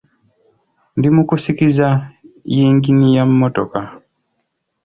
Ndi mu kusikiza yingini ya mmotoka.